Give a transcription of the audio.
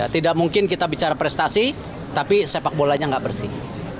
tidak mungkin kita bicara prestasi tapi sepakbolanya tidak bersih